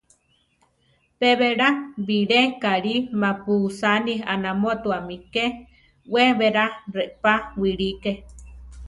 Pe belá bilé kalí mapu usáni anamótuami ké; we berá reʼpa wilíke.